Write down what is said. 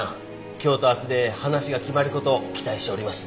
今日と明日で話が決まる事を期待しております。